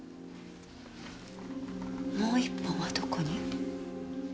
もう１本はどこに？